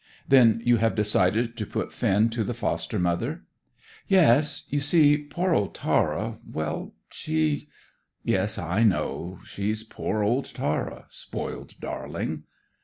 "Then you have decided to put Finn to the foster mother?" "Yes. You see, poor old Tara well, she " "Yes, I know; she's poor old Tara spoiled darling!"